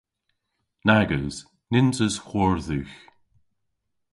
Nag eus. Nyns eus hwor dhywgh.